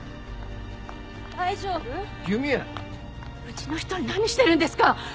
うちの人に何してるんですか！